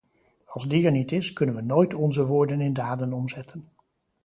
Als die er niet is, kunnen we nooit onze woorden in daden omzetten.